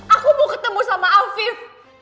aku mau ketemu sama afif